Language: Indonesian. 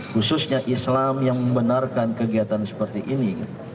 khususnya islam yang membenarkan kegiatan seperti ini